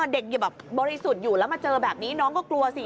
เด็กอยู่แบบบริสุทธิ์อยู่แล้วมาเจอแบบนี้น้องก็กลัวสิ